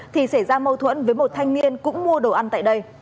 thì xảy ra mâu thuẫn với một thanh niên cũng mua đồ ăn tại đây